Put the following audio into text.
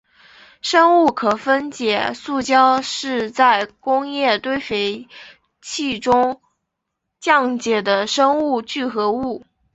生物可分解塑胶是在工业堆肥器中降解的生物聚合物。